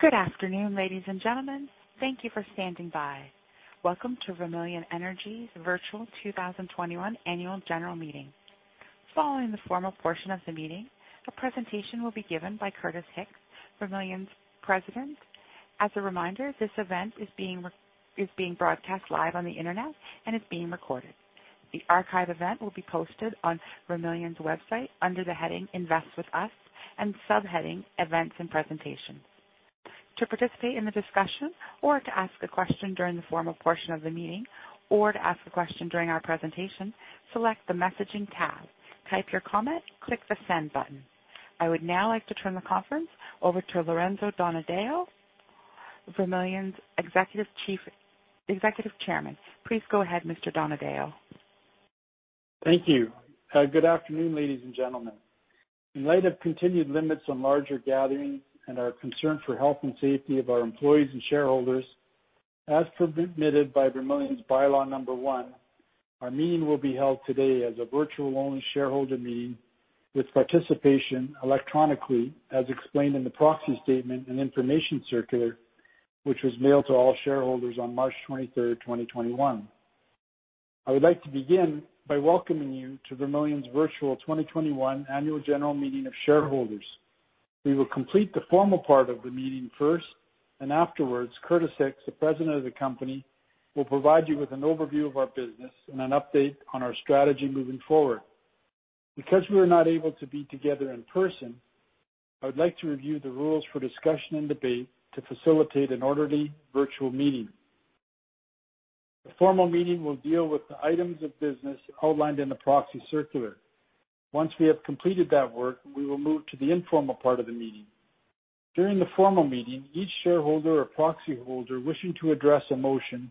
Good afternoon, ladies and gentlemen. Thank you for standing by. Welcome to Vermilion Energy's Virtual 2021 Annual General Meeting. Following the formal portion of the meeting, a presentation will be given by Curtis Hicks, Vermilion's President. As a reminder, this event is being broadcast live on the internet and is being recorded. The archive event will be posted on Vermilion's website under the heading "Invest with Us" and subheading "Events and Presentations." To participate in the discussion, or to ask a question during the formal portion of the meeting, or to ask a question during our presentation, select the messaging tab, type your comment, click the send button. I would now like to turn the conference over to Lorenzo Donadeo, Vermilion's Executive Chairman. Please go ahead, Mr. Donadeo. Thank you. Good afternoon, ladies and gentlemen. In light of continued limits on larger gatherings and our concern for health and safety of our employees and shareholders, as permitted by Vermilion's Bylaw Number One, our meeting will be held today as a virtual-only shareholder meeting with participation electronically, as explained in the proxy statement and information circular which was mailed to all shareholders on March 23rd, 2021. I would like to begin by welcoming you to Vermilion's Virtual 2021 Annual General Meeting of Shareholders. We will complete the formal part of the meeting first, and afterwards, Curtis Hicks, the President of the company, will provide you with an overview of our business and an update on our strategy moving forward. Because we are not able to be together in person, I would like to review the rules for discussion and debate to facilitate an orderly virtual meeting. The formal meeting will deal with the items of business outlined in the proxy circular. Once we have completed that work, we will move to the informal part of the meeting. During the formal meeting, each shareholder or proxy holder wishing to address a motion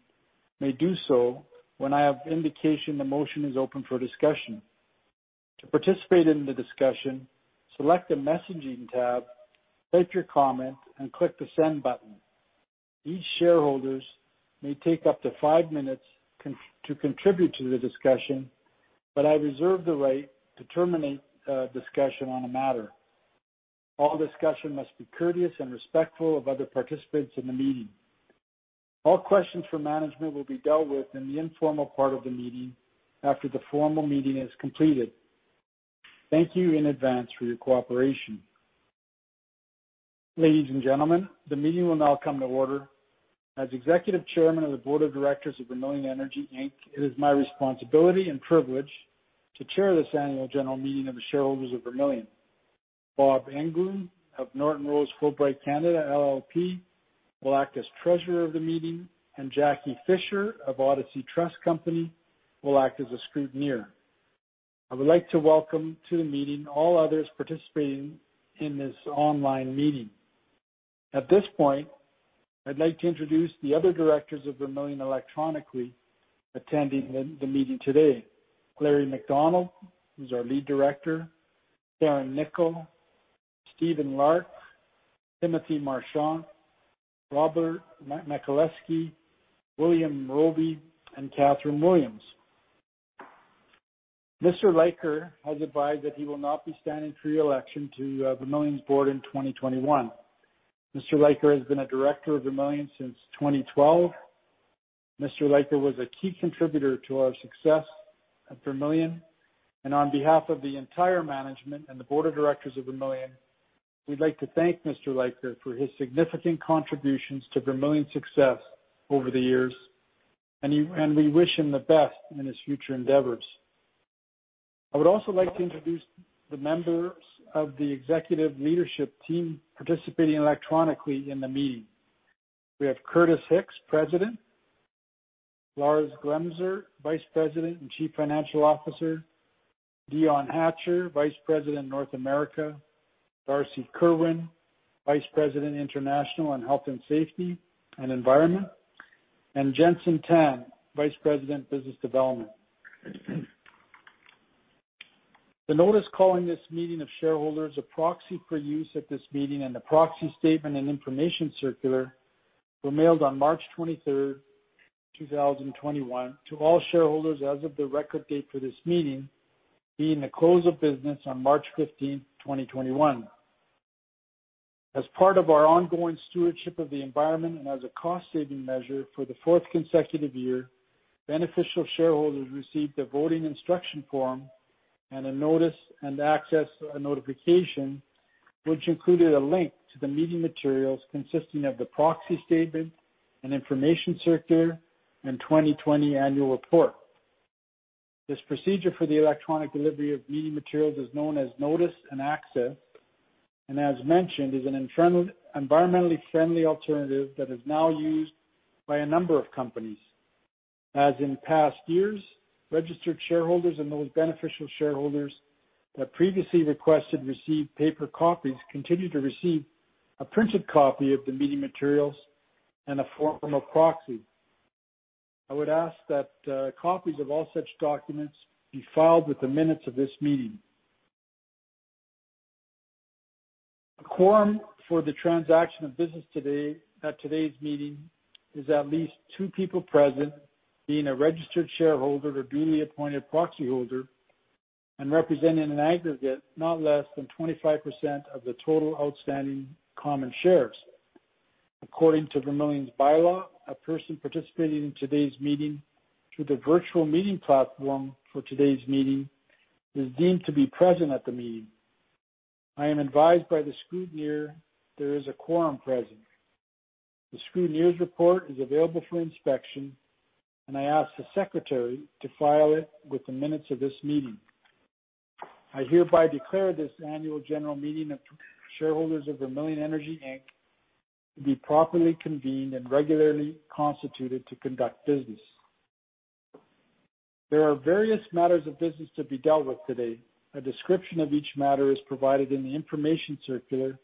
may do so when I have indication the motion is open for discussion. To participate in the discussion, select the messaging tab, type your comment, and click the send button. Each shareholder may take up to five minutes to contribute to the discussion, but I reserve the right to terminate discussion on a matter. All discussion must be courteous and respectful of other participants in the meeting. All questions for management will be dealt with in the informal part of the meeting after the formal meeting is completed. Thank you in advance for your cooperation. Ladies and gentlemen, the meeting will now come to order. As Executive Chairman of the Board of Directors of Vermilion Energy, Inc, it is my responsibility and privilege to chair this annual general meeting of the shareholders of Vermilion. Bob Englund of Norton Rose Fulbright Canada, LLP, will act as treasurer of the meeting, and Jacquie Fisher of Odyssey Trust Company will act as a scrutineer. I would like to welcome to the meeting all others participating in this online meeting. At this point, I'd like to introduce the other directors of Vermilion electronically attending the meeting today: , who's our lead director; Carin Knickel; Stephen Larke; Timothy Marchant; Robert Michaleski; William Roby; and Catherine Williams. Mr. Leiker has advised that he will not be standing for reelection to Vermilion's board in 2021. Mr. Leiker has been a director of Vermilion since 2012. Mr. Leiker was a key contributor to our success at Vermilion. On behalf of the entire management and the Board of Directors of Vermilion, we'd like to thank Mr. Leiker for his significant contributions to Vermilion's success over the years, and he and we wish him the best in his future endeavors. I would also like to introduce the members of the executive leadership team participating electronically in the meeting. We have Curtis Hicks, President, Lars Glemser, Vice President and Chief Financial Officer, Dion Hatcher, Vice President, North America, Darcy Kerwin, Vice President, International and Health, Safety and Environment, and Jenson Tan, Vice President, Business Development. The notice calling this meeting of shareholders a proxy for use at this meeting and the proxy statement and information circular were mailed on March 23rd, 2021, to all shareholders as of the record date for this meeting being the close of business on March 15th, 2021. As part of our ongoing stewardship of the environment and as a cost-saving measure for the fourth consecutive year, beneficial shareholders received a voting instruction form and a notice and access notification which included a link to the meeting materials consisting of the proxy statement and information circular and 2020 annual report. This procedure for the electronic delivery of meeting materials is known as notice and access and, as mentioned, is an environmentally friendly alternative that is now used by a number of companies. As in past years, registered shareholders and those beneficial shareholders that previously requested received paper copies continue to receive a printed copy of the meeting materials and a form of proxy. I would ask that copies of all such documents be filed with the minutes of this meeting. A quorum for the transaction of business today at today's meeting is at least two people present being a registered shareholder or duly appointed proxy holder and representing an aggregate not less than 25% of the total outstanding common shares. According to Vermilion's bylaw, a person participating in today's meeting through the virtual meeting platform for today's meeting is deemed to be present at the meeting. I am advised by the scrutineer there is a quorum present. The scrutineer's report is available for inspection, and I ask the secretary to file it with the minutes of this meeting. I hereby declare this annual general meeting of shareholders of Vermilion Energy, Inc, to be properly convened and regularly constituted to conduct business. There are various matters of business to be dealt with today. A description of each matter is provided in the information circular,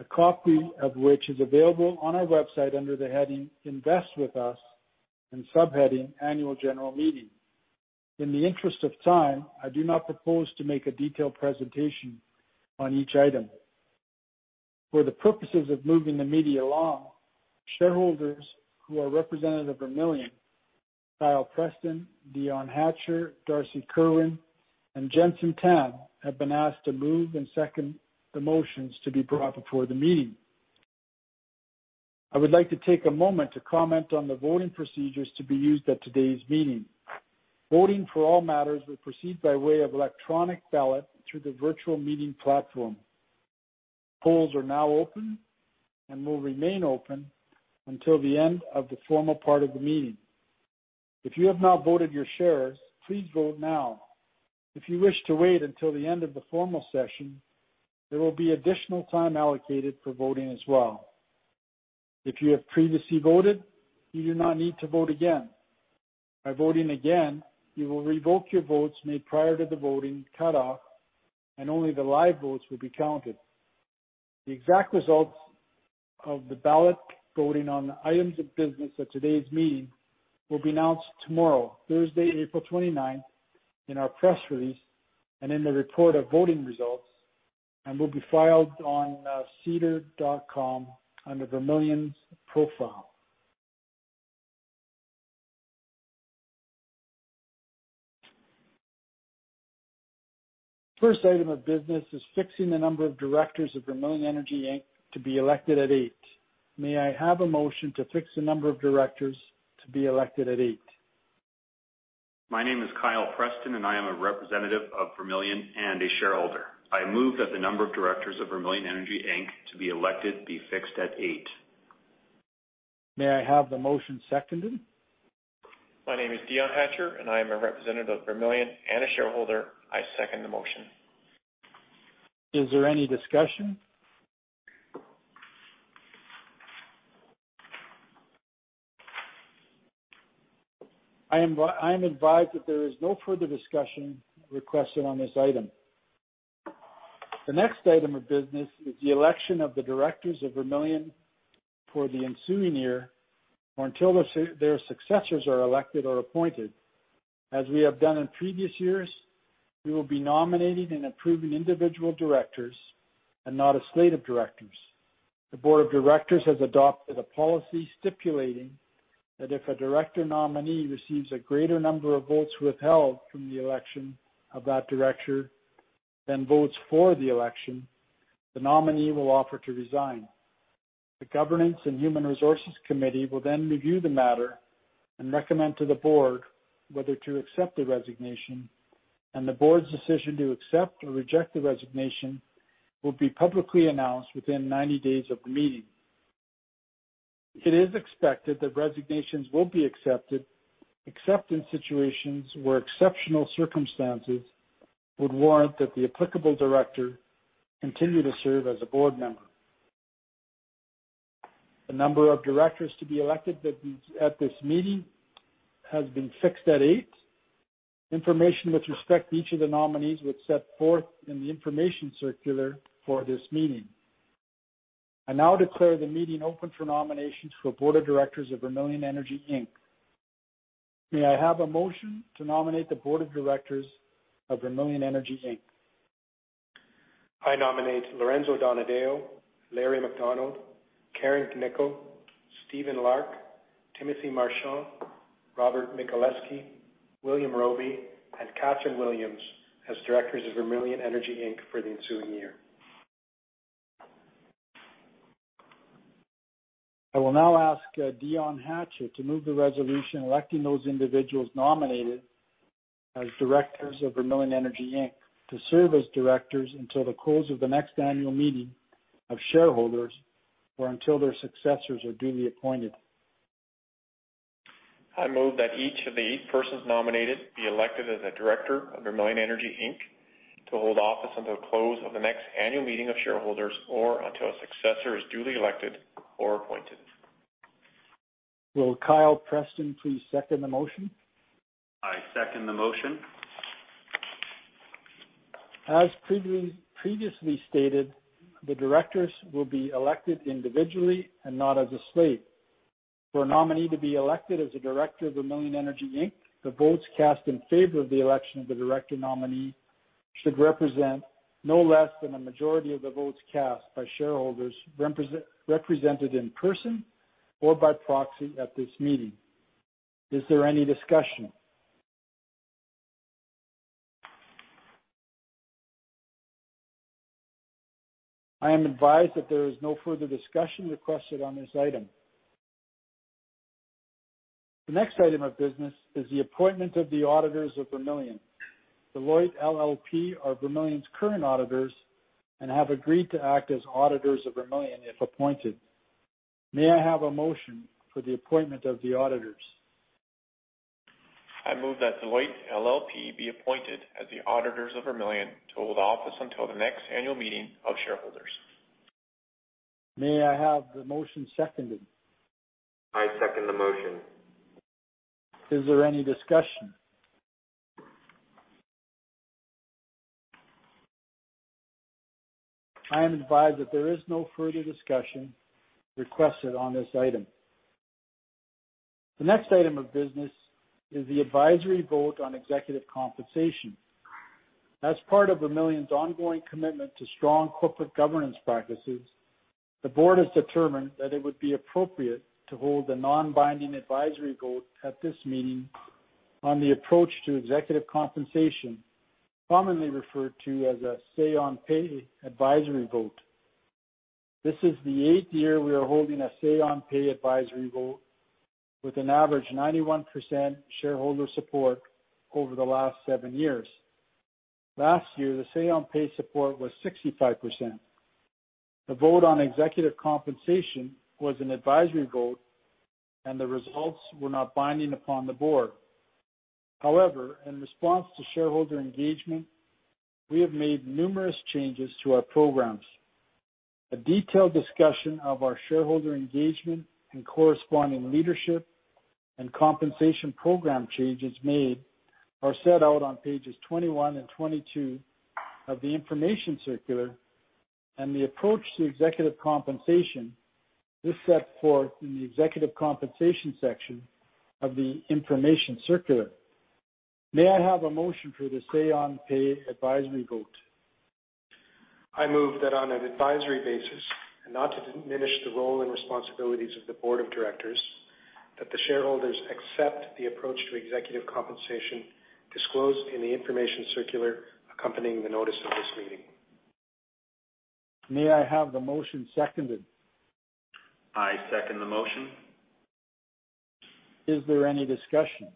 a copy of which is available on our website under the heading "Invest with Us" and subheading "Annual General Meeting." In the interest of time, I do not propose to make a detailed presentation on each item. For the purposes of moving the meeting along, shareholders who are representative of Vermilion, Kyle Preston, Dion Hatcher, Darcy Kerwin, and Jenson Tan, have been asked to move and second the motions to be brought before the meeting. I would like to take a moment to comment on the voting procedures to be used at today's meeting. Voting for all matters will proceed by way of electronic ballot through the virtual meeting platform. Polls are now open and will remain open until the end of the formal part of the meeting. If you have not voted your shares, please vote now. If you wish to wait until the end of the formal session, there will be additional time allocated for voting as well. If you have previously voted, you do not need to vote again. By voting again, you will revoke your votes made prior to the voting cutoff, and only the live votes will be counted. The exact results of the ballot voting on the items of business at today's meeting will be announced tomorrow, Thursday, April 29th, in our press release and in the report of voting results, and will be filed on SEDAR.com under Vermilion's profile. First item of business is fixing the number of directors of Vermilion Energy Inc to be elected at eight. May I have a motion to fix the number of directors to be elected at eight? My name is Kyle Preston, and I am a representative of Vermilion and a shareholder. I move that the number of directors of Vermilion Energy, Inc, to be elected be fixed at eight. May I have the motion seconded? My name is Dion Hatcher, and I am a representative of Vermilion and a shareholder. I second the motion. Is there any discussion? I am advised that there is no further discussion requested on this item. The next item of business is the election of the Directors of Vermilion for the ensuing year or until their successors are elected or appointed. As we have done in previous years, we will be nominating and approving individual directors and not a slate of directors. The Board of Directors has adopted a policy stipulating that if a director nominee receives a greater number of votes withheld from the election of that director than votes for the election, the nominee will offer to resign. The Governance and Human Resources Committee will then review the matter and recommend to the board whether to accept the resignation, and the board's decision to accept or reject the resignation will be publicly announced within 90 days of the meeting. It is expected that resignations will be accepted, except in situations where exceptional circumstances would warrant that the applicable director continue to serve as a board member. The number of directors to be elected at this meeting has been fixed at eight. Information with respect to each of the nominees was set forth in the information circular for this meeting. I now declare the meeting open for nominations for Board of Directors of Vermilion Energy, Inc. May I have a motion to nominate the Board of Directors of Vermilion Energy, Inc? I nominate Lorenzo Donadeo, Larry Macdonald, Carin Knickel, Stephen Larke, Timothy Marchant, Robert Michaleski, William Roby, and Catherine Williams as Directors of Vermilion Energy, Inc, for the ensuing year. I will now ask Dion Hatcher to move the resolution electing those individuals nominated as directors of Vermilion Energy, Inc, to serve as directors until the close of the next annual meeting of shareholders or until their successors are duly appointed. I move that each of the eight persons nominated be elected as a director of Vermilion Energy, Inc, to hold office until the close of the next annual meeting of shareholders or until a successor is duly elected or appointed. Will Kyle Preston please second the motion? I second the motion. As previously stated, the Directors will be elected individually and not as a slate. For a nominee to be elected as a Director of Vermilion Energy Inc, the votes cast in favor of the election of the director nominee should represent no less than a majority of the votes cast by shareholders represented in person or by proxy at this meeting. Is there any discussion? I am advised that there is no further discussion requested on this item. The next item of business is the appointment of the auditors of Vermilion. Deloitte LLP are Vermilion's current auditors and have agreed to act as auditors of Vermilion if appointed. May I have a motion for the appointment of the auditors? I move that Deloitte LLP be appointed as the auditors of Vermilion to hold office until the next annual meeting of shareholders. May I have the motion seconded? I second the motion. Is there any discussion? I am advised that there is no further discussion requested on this item. The next item of business is the advisory vote on executive compensation. As part of Vermilion's ongoing commitment to strong corporate governance practices, the board has determined that it would be appropriate to hold a non-binding advisory vote at this meeting on the approach to executive compensation, commonly referred to as a say-on-pay advisory vote. This is the eighth year we are holding a say-on-pay advisory vote with an average 91% shareholder support over the last seven years. Last year, the say-on-pay support was 65%. The vote on executive compensation was an advisory vote, and the results were not binding upon the board. However, in response to shareholder engagement, we have made numerous changes to our programs. A detailed discussion of our shareholder engagement and corresponding leadership and compensation program changes made are set out on pages 21 and 22 of the information circular and the approach to executive compensation is set forth in the executive compensation section of the information circular. May I have a motion for the say-on-pay advisory vote? I move that on an advisory basis and not to diminish the role and responsibilities of the board of directors that the shareholders accept the approach to executive compensation disclosed in the information circular accompanying the notice of this meeting. May I have the motion seconded? I second the motion. Is there any discussion?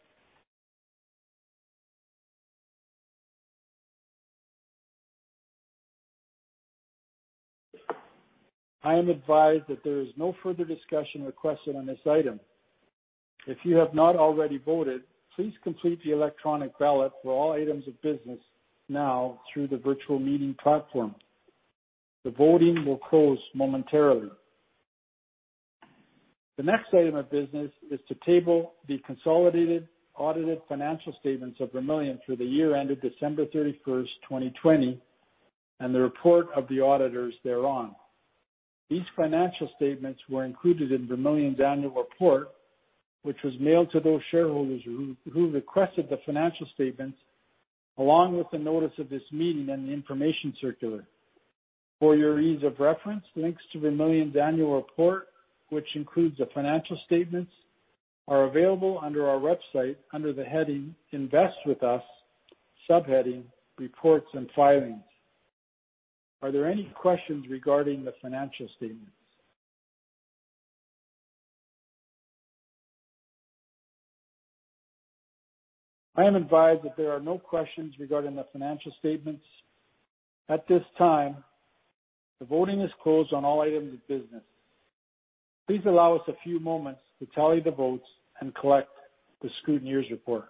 I am advised that there is no further discussion requested on this item. If you have not already voted, please complete the electronic ballot for all items of business now through the virtual meeting platform. The voting will close momentarily. The next item of business is to table the consolidated audited financial statements of Vermilion for the year ended December 31st, 2020, and the report of the auditors thereon. These financial statements were included in Vermilion's annual report, which was mailed to those shareholders who requested the financial statements along with the notice of this meeting and the information circular. For your ease of reference, links to Vermilion's annual report, which includes the financial statements, are available under our website under the heading "Invest with Us" subheading "Reports and Filings." Are there any questions regarding the financial statements? I am advised that there are no questions regarding the financial statements. At this time, the voting is closed on all items of business. Please allow us a few moments to tally the votes and collect the scrutineer's report.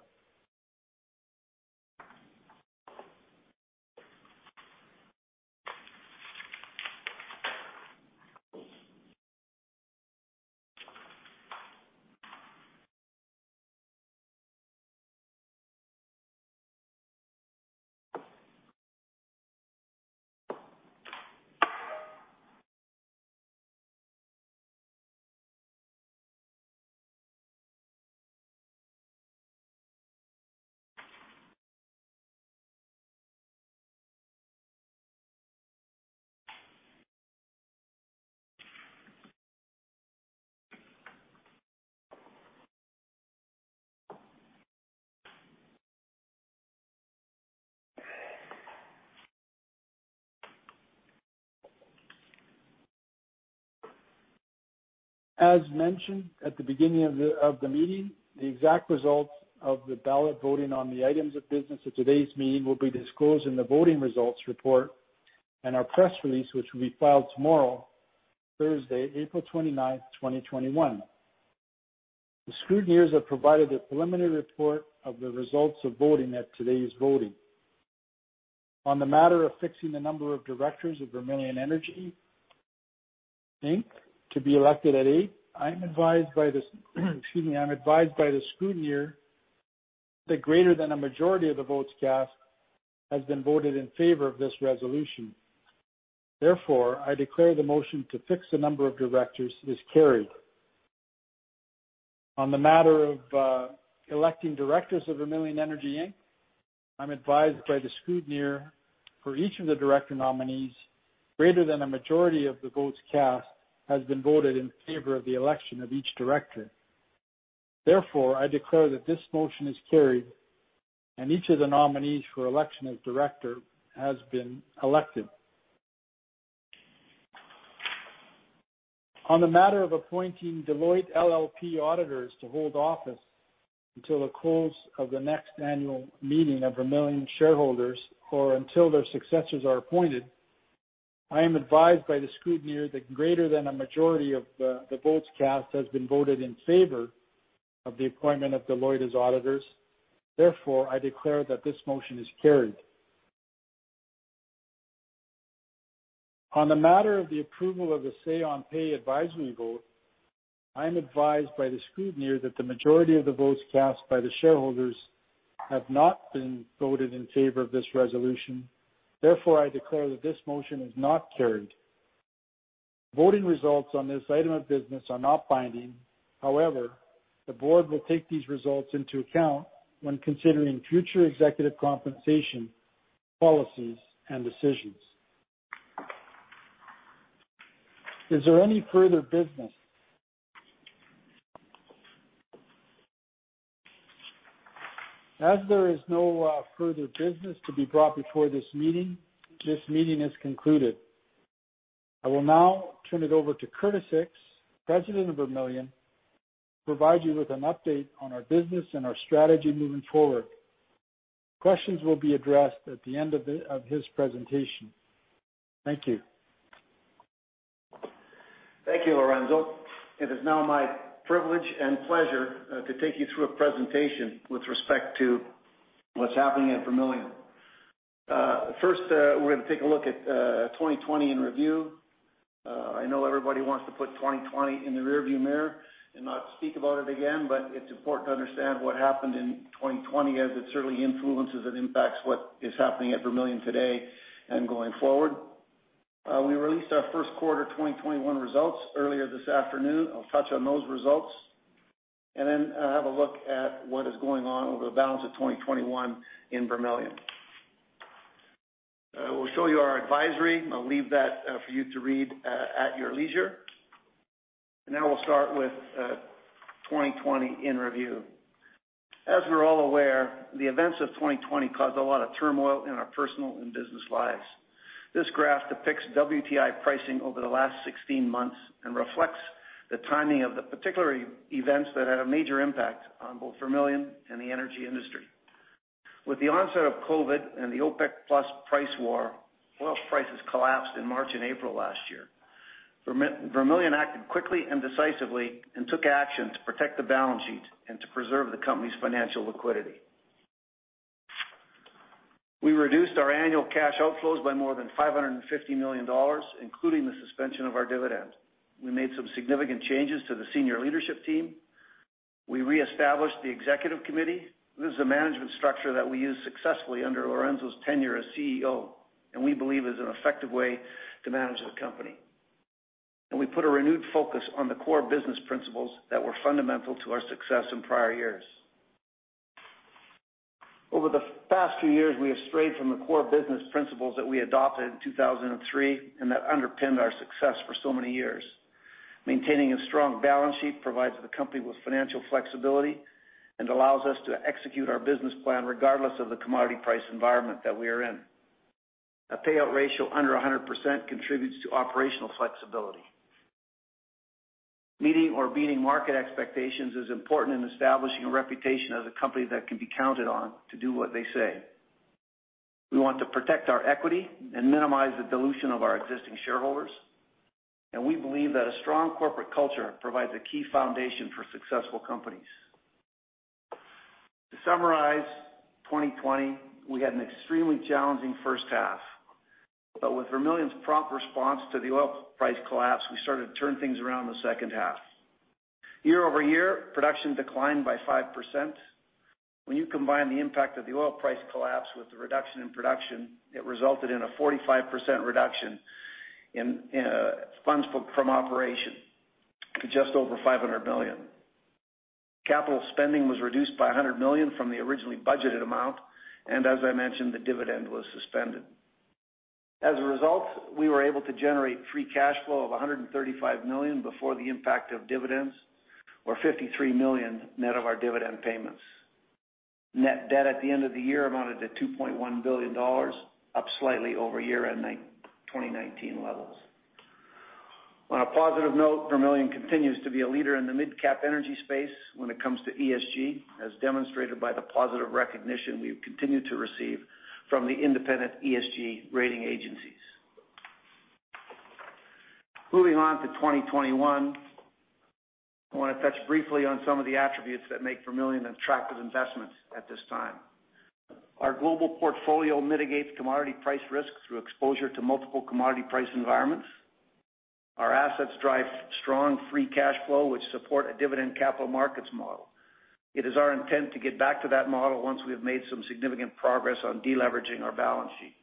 As mentioned at the beginning of the meeting, the exact results of the ballot voting on the items of business at today's meeting will be disclosed in the voting results report and our press release, which will be filed tomorrow, Thursday, April 29th, 2021. The scrutineers have provided a preliminary report of the results of voting at today's voting. On the matter of fixing the number of directors of Vermilion Energy, Inc, to be elected at eight, I am advised by the scrutineer that greater than a majority of the votes cast has been voted in favor of this resolution. Therefore, I declare the motion to fix the number of directors is carried. On the matter of electing Directors of Vermilion Energy Inc, I'm advised by the scrutineer that for each of the director nominees, greater than a majority of the votes cast has been voted in favor of the election of each director. Therefore, I declare that this motion is carried, and each of the nominees for election as Director has been elected. On the matter of appointing Deloitte LLP auditors to hold office until the close of the next annual meeting of Vermilion shareholders or until their successors are appointed, I am advised by the scrutineer that greater than a majority of the votes cast has been voted in favor of the appointment of Deloitte as auditors. Therefore, I declare that this motion is carried. On the matter of the approval of the say-on-pay advisory vote, I am advised by the scrutineer that the majority of the votes cast by the shareholders have not been voted in favor of this resolution. Therefore, I declare that this motion is not carried. Voting results on this item of business are not binding. However, the board will take these results into account when considering future executive compensation policies and decisions. Is there any further business? As there is no further business to be brought before this meeting, this meeting is concluded. I will now turn it over to Curtis Hicks, President of Vermilion, to provide you with an update on our business and our strategy moving forward. Questions will be addressed at the end of his presentation. Thank you. Thank you, Lorenzo. It is now my privilege and pleasure to take you through a presentation with respect to what's happening at Vermilion. First, we're going to take a look at 2020 and review. I know everybody wants to put 2020 in the rearview mirror and not speak about it again, but it's important to understand what happened in 2020 as it certainly influences and impacts what is happening at Vermilion today and going forward. We released our first quarter 2021 results earlier this afternoon. I'll touch on those results. And then have a look at what is going on over the balance of 2021 in Vermilion. We'll show you our advisory. I'll leave that for you to read at your leisure. And now we'll start with 2020 and review. As we're all aware, the events of 2020 caused a lot of turmoil in our personal and business lives. This graph depicts WTI pricing over the last 16 months and reflects the timing of the particular events that had a major impact on both Vermilion and the energy industry. With the onset of COVID and the OPEC+ price war, oil prices collapsed in March and April last year. Vermilion acted quickly and decisively and took action to protect the balance sheet and to preserve the company's financial liquidity. We reduced our annual cash outflows by more than $550 million, including the suspension of our dividend. We made some significant changes to the senior leadership team. We reestablished the executive committee. This is a management structure that we used successfully under Lorenzo's tenure as CEO, and we believe is an effective way to manage the company. We put a renewed focus on the core business principles that were fundamental to our success in prior years. Over the past few years, we have strayed from the core business principles that we adopted in 2003 and that underpinned our success for so many years. Maintaining a strong balance sheet provides the company with financial flexibility and allows us to execute our business plan regardless of the commodity price environment that we are in. A payout ratio under 100% contributes to operational flexibility. Meeting or beating market expectations is important in establishing a reputation as a company that can be counted on to do what they say. We want to protect our equity and minimize the dilution of our existing shareholders. We believe that a strong corporate culture provides a key foundation for successful companies. To summarize 2020, we had an extremely challenging first half. But with Vermilion's prompt response to the oil price collapse, we started to turn things around the second half. Year-over-year, production declined by 5%. When you combine the impact of the oil price collapse with the reduction in production, it resulted in a 45% reduction in funds from operations to just over $500 million. Capital spending was reduced by $100 million from the originally budgeted amount. As I mentioned, the dividend was suspended. As a result, we were able to generate free cash flow of $135 million before the impact of dividends or $53 million net of our dividend payments. Net debt at the end of the year amounted to $2.1 billion, up slightly over year-end 2019 levels. On a positive note, Vermilion continues to be a leader in the mid-cap energy space when it comes to ESG, as demonstrated by the positive recognition we continue to receive from the independent ESG rating agencies. Moving on to 2021, I want to touch briefly on some of the attributes that make Vermilion an attractive investment at this time. Our global portfolio mitigates commodity price risk through exposure to multiple commodity price environments. Our assets drive strong free cash flow, which support a dividend capital markets model. It is our intent to get back to that model once we have made some significant progress on deleveraging our balance sheet.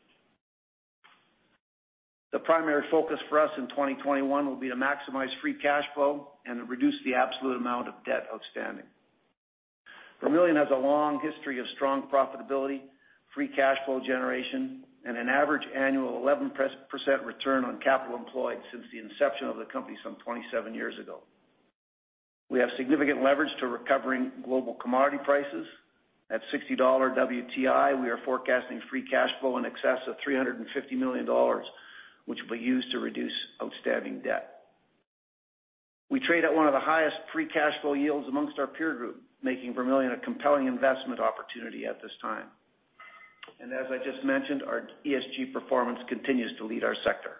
The primary focus for us in 2021 will be to maximize free cash flow and reduce the absolute amount of debt outstanding. Vermilion has a long history of strong profitability, free cash flow generation, and an average annual 11% return on capital employed since the inception of the company some 27 years ago. We have significant leverage to recovering global commodity prices. At $60 WTI, we are forecasting free cash flow in excess of $350 million, which will be used to reduce outstanding debt. We trade at one of the highest free cash flow yields amongst our peer group, making Vermilion a compelling investment opportunity at this time. And as I just mentioned, our ESG performance continues to lead our sector.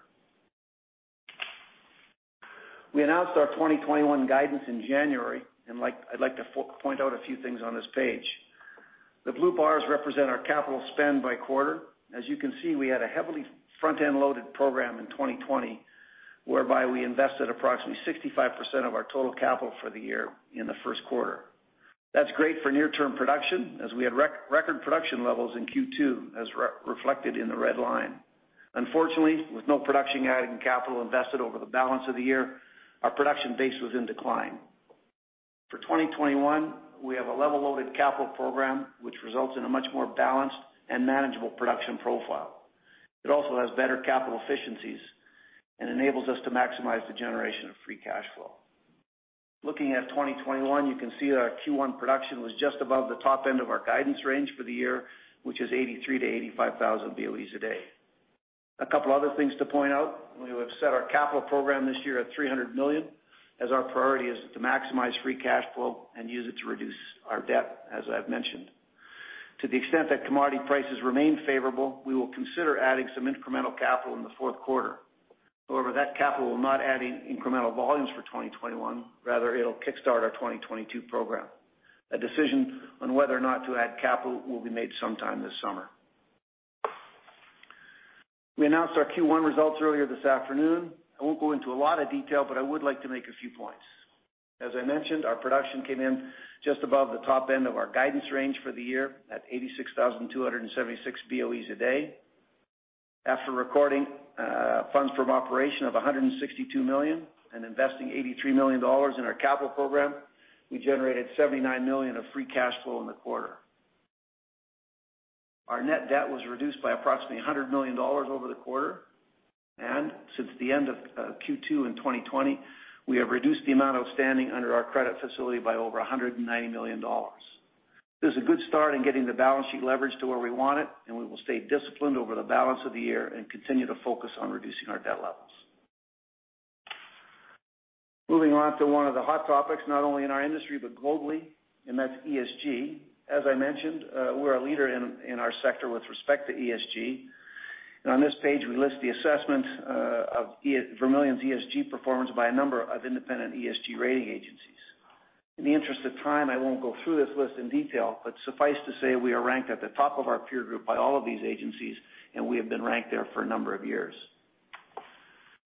We announced our 2021 guidance in January. And like I'd like to point out a few things on this page. The blue bars represent our capital spend by quarter. As you can see, we had a heavily front-end loaded program in 2020 whereby we invested approximately 65% of our total capital for the year in the first quarter. That's great for near-term production as we had near-record production levels in Q2, as reflected in the red line. Unfortunately, with no production added and capital invested over the balance of the year, our production base was in decline. For 2021, we have a level-loaded capital program, which results in a much more balanced and manageable production profile. It also has better capital efficiencies and enables us to maximize the generation of free cash flow. Looking at 2021, you can see that our Q1 production was just above the top end of our guidance range for the year, which is 83,000-85,000 BOEs a day. A couple of other things to point out. We have set our capital program this year at $300 million as our priority is to maximize free cash flow and use it to reduce our debt, as I've mentioned. To the extent that commodity prices remain favorable, we will consider adding some incremental capital in the fourth quarter. However, that capital will not add incremental volumes for 2021. Rather, it'll kickstart our 2022 program. A decision on whether or not to add capital will be made sometime this summer. We announced our Q1 results earlier this afternoon. I won't go into a lot of detail, but I would like to make a few points. As I mentioned, our production came in just above the top end of our guidance range for the year at 86,276 BOEs a day. After recording funds from operations of $162 million and investing $83 million in our capital program, we generated $79 million of free cash flow in the quarter. Our net debt was reduced by approximately $100 million over the quarter. Since the end of Q2 in 2020, we have reduced the amount outstanding under our credit facility by over $190 million. This is a good start in getting the balance sheet leveraged to where we want it. We will stay disciplined over the balance of the year and continue to focus on reducing our debt levels. Moving on to one of the hot topics, not only in our industry but globally, and that's ESG. As I mentioned, we're a leader in, in our sector with respect to ESG. On this page, we list the assessment of Vermilion's ESG performance by a number of independent ESG rating agencies. In the interest of time, I won't go through this list in detail, but suffice to say we are ranked at the top of our peer group by all of these agencies, and we have been ranked there for a number of years.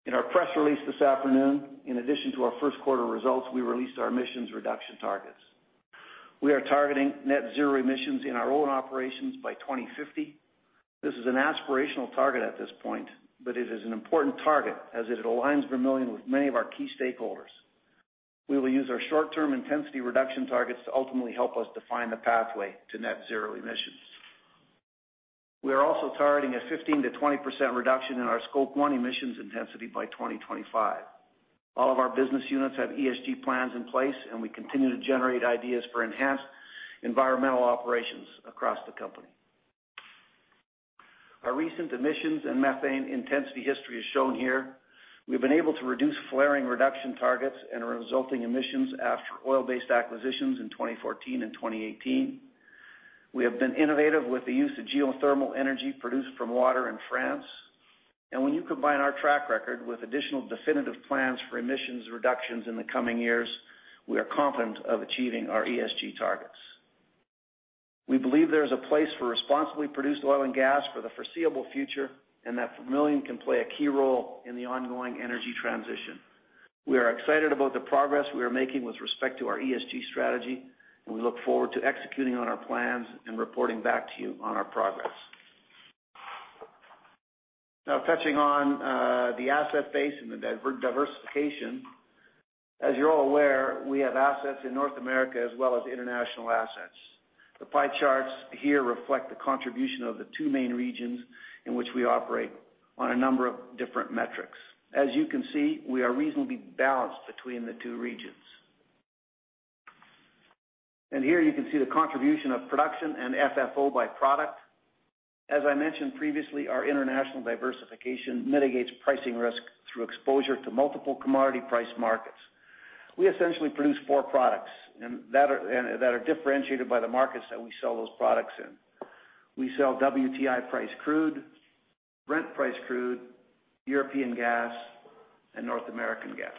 In our press release this afternoon, in addition to our first quarter results, we released our emissions reduction targets. We are targeting net zero emissions in our own operations by 2050. This is an aspirational target at this point, but it is an important target as it aligns Vermilion with many of our key stakeholders. We will use our short-term intensity reduction targets to ultimately help us define the pathway to net zero emissions. We are also targeting a 15%-20% reduction in our Scope 1 emissions intensity by 2025. All of our business units have ESG plans in place, and we continue to generate ideas for enhanced environmental operations across the company. Our recent emissions and methane intensity history is shown here. We've been able to reduce flaring reduction targets and resulting emissions after oil-based acquisitions in 2014 and 2018. We have been innovative with the use of geothermal energy produced from water in France. When you combine our track record with additional definitive plans for emissions reductions in the coming years, we are confident of achieving our ESG targets. We believe there is a place for responsibly produced oil and gas for the foreseeable future and that Vermilion can play a key role in the ongoing energy transition. We are excited about the progress we are making with respect to our ESG strategy, and we look forward to executing on our plans and reporting back to you on our progress. Now, touching on the asset base and the diversification. As you're all aware, we have assets in North America as well as international assets. The pie charts here reflect the contribution of the two main regions in which we operate on a number of different metrics. As you can see, we are reasonably balanced between the two regions. Here you can see the contribution of production and FFO by product. As I mentioned previously, our international diversification mitigates pricing risk through exposure to multiple commodity price markets. We essentially produce four products that are differentiated by the markets that we sell those products in. We sell WTI price crude, Brent price crude, European gas, and North American gas.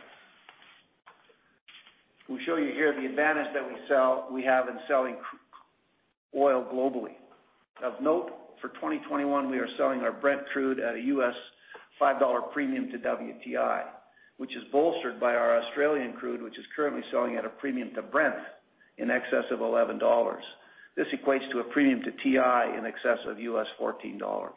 We'll show you here the advantage that we have in selling crude oil globally. Of note, for 2021, we are selling our Brent crude at a $5 premium to WTI, which is bolstered by our Australian crude, which is currently selling at a premium to Brent in excess of $11. This equates to a premium to WTI in excess of $14.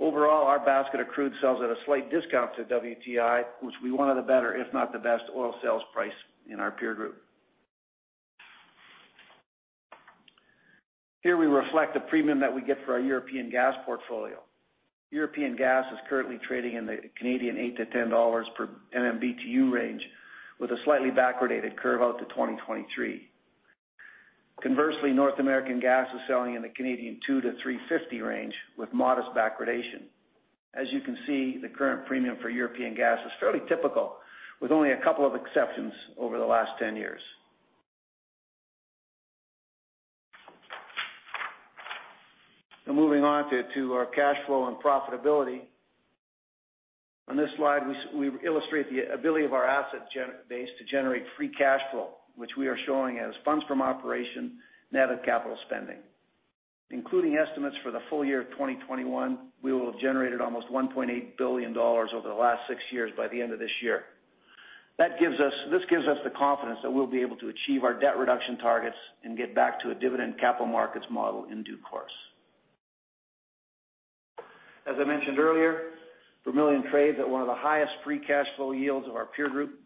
Overall, our basket of crude sells at a slight discount to WTI, which we wanted a better, if not the best, oil sales price in our peer group. Here we reflect the premium that we get for our European gas portfolio. European gas is currently trading in the 8-10 Canadian dollars per MMBtu range, with a slightly backwardated curve out to 2023. Conversely, North American gas is selling in the 2-3.50 range, with modest backwardation. As you can see, the current premium for European gas is fairly typical, with only a couple of exceptions over the last 10 years. Now, moving on to our cash flow and profitability. On this slide, we illustrate the ability of our asset base to generate free cash flow, which we are showing as funds from operation net of capital spending. Including estimates for the full year of 2021, we will have generated almost $1.8 billion over the last six years by the end of this year. That gives us the confidence that we'll be able to achieve our debt reduction targets and get back to a dividend capital markets model in due course. As I mentioned earlier, Vermilion trades at one of the highest free cash flow yields of our peer group.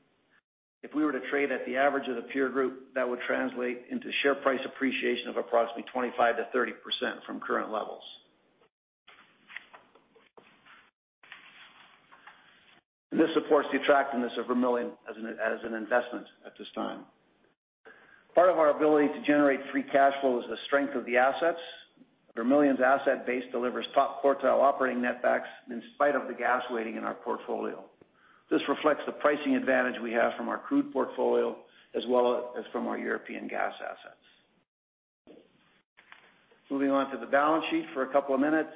If we were to trade at the average of the peer group, that would translate into share price appreciation of approximately 25%-30% from current levels. And this supports the attractiveness of Vermilion as an investment at this time. Part of our ability to generate free cash flow is the strength of the assets. Vermilion's asset base delivers top quartile operating netbacks in spite of the gas weighting in our portfolio. This reflects the pricing advantage we have from our crude portfolio as well as from our European gas assets. Moving on to the balance sheet for a couple of minutes.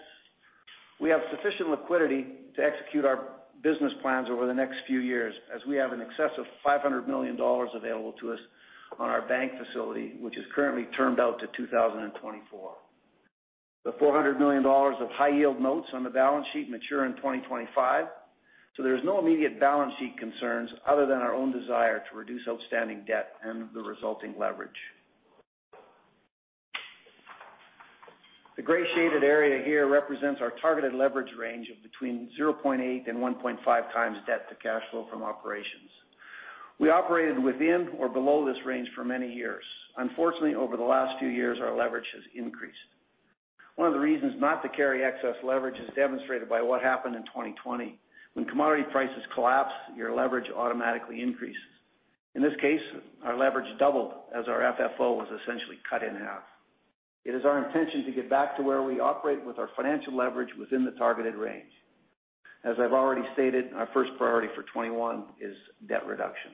We have sufficient liquidity to execute our business plans over the next few years as we have in excess of $500 million available to us on our bank facility, which is currently termed out to 2024. The $400 million of high-yield notes on the balance sheet mature in 2025. So there's no immediate balance sheet concerns other than our own desire to reduce outstanding debt and the resulting leverage. The gray shaded area here represents our targeted leverage range of between 0.8-1.5 times debt to cash flow from operations. We operated within or below this range for many years. Unfortunately, over the last few years, our leverage has increased. One of the reasons not to carry excess leverage is demonstrated by what happened in 2020. When commodity prices collapse, your leverage automatically increases. In this case, our leverage doubled as our FFO was essentially cut in half. It is our intention to get back to where we operate with our financial leverage within the targeted range. As I've already stated, our first priority for 2021 is debt reduction.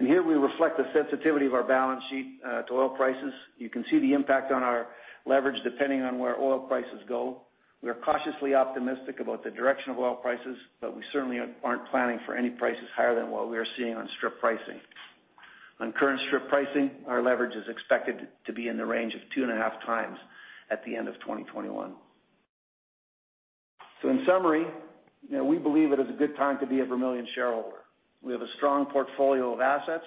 Here we reflect the sensitivity of our balance sheet to oil prices. You can see the impact on our leverage depending on where oil prices go. We are cautiously optimistic about the direction of oil prices, but we certainly aren't planning for any prices higher than what we are seeing on strip pricing. On current strip pricing, our leverage is expected to be in the range of 2.5 times at the end of 2021. So in summary, you know, we believe it is a good time to be a Vermilion shareholder. We have a strong portfolio of assets.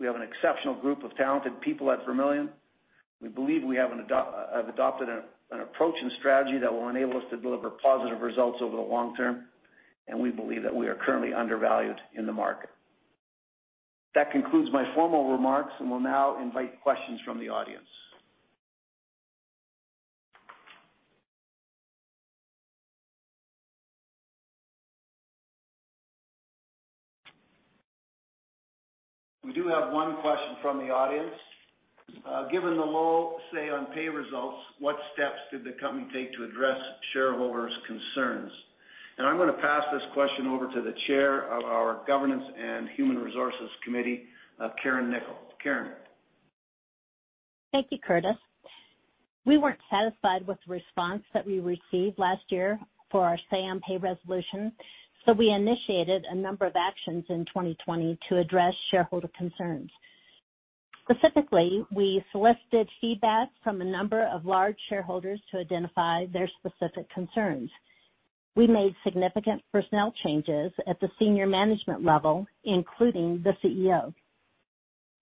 We have an exceptional group of talented people at Vermilion. We believe we have adopted an approach and strategy that will enable us to deliver positive results over the long term. And we believe that we are currently undervalued in the market. That concludes my formal remarks, and we'll now invite questions from the audience. We do have one question from the audience. Given the low say-on-pay results, what steps did the company take to address shareholders' concerns? And I'm going to pass this question over to the Chair of our Governance and Human Resources Committee, Carin Knickel. Carin. Thank you, Curtis. We weren't satisfied with the response that we received last year for our say-on-pay resolution, so we initiated a number of actions in 2020 to address shareholder concerns. Specifically, we solicited feedback from a number of large shareholders to identify their specific concerns. We made significant personnel changes at the senior management level, including the CEO.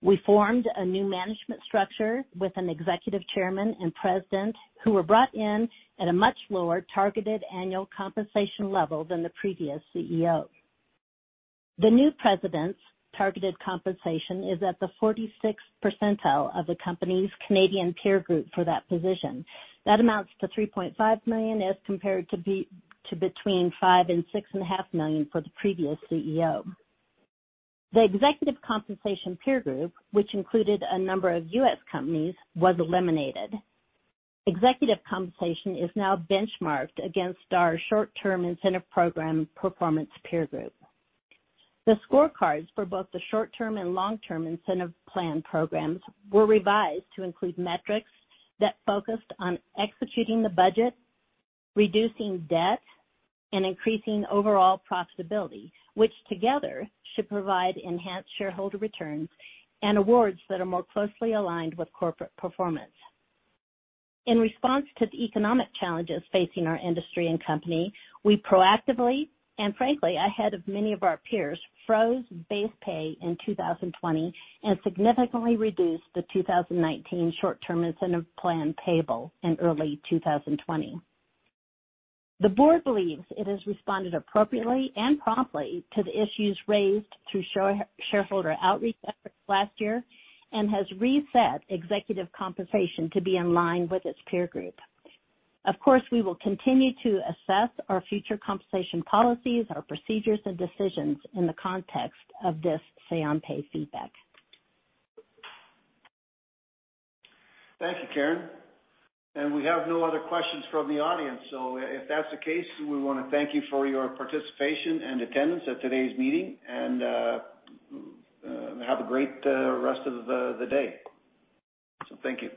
We formed a new management structure with an executive chairman and president who were brought in at a much lower targeted annual compensation level than the previous CEO. The new president's targeted compensation is at the 46th percentile of the company's Canadian peer group for that position. That amounts to 3.5 million as compared to between 5 million and 6.5 million for the previous CEO. The executive compensation peer group, which included a number of U.S. companies, was eliminated. Executive compensation is now benchmarked against our short-term incentive program performance peer group. The scorecards for both the short-term and long-term incentive plan programs were revised to include metrics that focused on executing the budget, reducing debt, and increasing overall profitability, which together should provide enhanced shareholder returns and awards that are more closely aligned with corporate performance. In response to the economic challenges facing our industry and company, we proactively and frankly, ahead of many of our peers, froze base pay in 2020 and significantly reduced the 2019 short-term incentive plan payable in early 2020. The board believes it has responded appropriately and promptly to the issues raised through shareholder outreach efforts last year and has reset executive compensation to be in line with its peer group. Of course, we will continue to assess our future compensation policies, our procedures, and decisions in the context of this say-on-pay feedback. Thank you, Carin. We have no other questions from the audience. If that's the case, we want to thank you for your participation and attendance at today's meeting, and have a great rest of the day. Thank you.